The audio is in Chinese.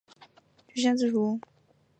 朝贡体系的雏形是古代中国的畿服制度。